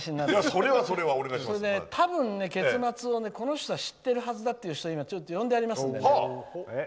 多分ね、結末をこの人は知ってるはずだという人をちょっと呼んでありますのでね。